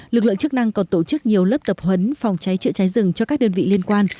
lực lượng chức năng còn tổ chức nhiều lớp tập huấn phòng cháy chữa cháy rừng cho các đơn vị liên quan